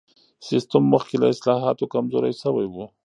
سیستم مخکې له اصلاحاتو کمزوری سوی و.